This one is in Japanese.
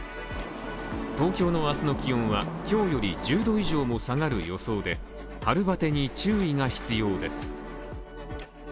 東京の明日の気温は今日より１０度以上下がる予想で春バテに注意が必要です。